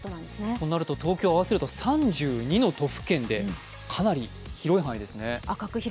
となると東京を合わせると３２の都府県でかなり広い範囲ですね。